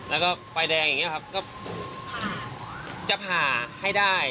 แล้วก็ไฟแดงอย่างนี้ครับก็จะผ่าให้ได้